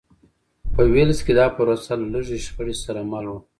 په ویلز کې دا پروسه له لږې شخړې سره مل وه.